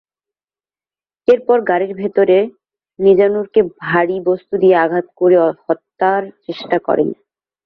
এরপর গাড়ির ভেতরে মিজানুরকে ভারী বস্তু দিয়ে আঘাত করে হত্যার চেষ্টা করেন।